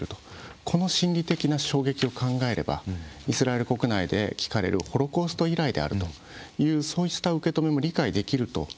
この心理的な衝撃を考えればイスラエル国内で聞かれるホロコースト以来であるというそうした受け止めも理解できると私は思います。